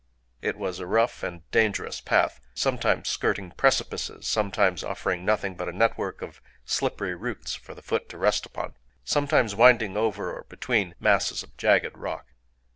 It was a rough and dangerous path,—sometimes skirting precipices,—sometimes offering nothing but a network of slippery roots for the foot to rest upon,—sometimes winding over or between masses of jagged rock.